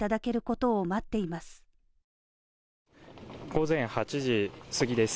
午前８時過ぎです。